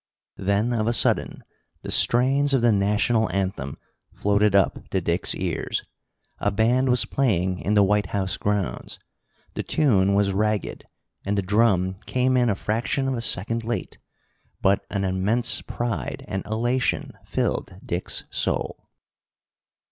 Then of a sudden the strains of the national anthem floated up to Dick's ears. A band was playing in the White House grounds. The tune was ragged, and the drum came in a fraction of a second late, but an immense pride and elation filled Dick's soul.